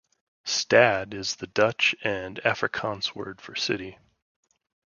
Stad is the Dutch and Afrikaans word for city.